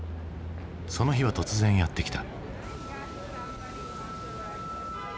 その日は突然やって来た。